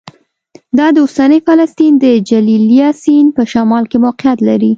دا د اوسني فلسطین د جلیلیه سیند په شمال کې موقعیت لري